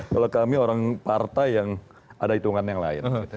kalau kami orang partai yang ada hitungan yang lain